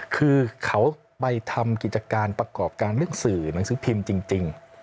คือเขาไปทำกิจการประกอบการเรื่องสื่อหนังสือพิมพ์จริง